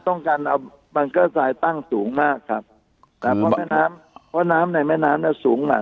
ต้องการเอาบังเกอร์ทรายตั้งสูงมากครับแม่น้ำเพราะน้ำในแม่น้ำเนี้ยสูงแหละ